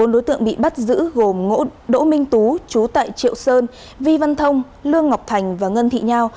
bốn đối tượng bị bắt giữ gồm đỗ minh tú chú tại triệu sơn vi văn thông lương ngọc thành và ngân thị nhao